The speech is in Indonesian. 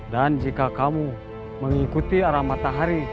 dan jika kamu mengikuti arah matahari